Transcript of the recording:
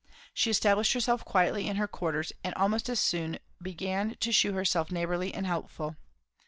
She established herself quietly in her quarters and almost as soon began to shew herself neighbourly and helpful.